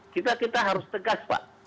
kita harus tegas pak